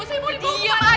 saya mau dibawa kemana